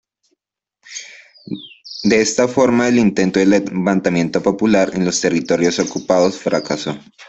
De esta forma, el intento de "levantamiento popular" en los territorios ocupados fracasó.